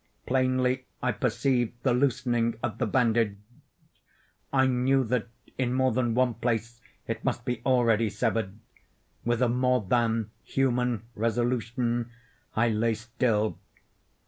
Plainly I perceived the loosening of the bandage. I knew that in more than one place it must be already severed. With a more than human resolution I lay still.